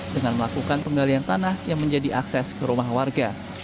dengan melakukan penggalian tanah yang menjadi akses ke rumah warga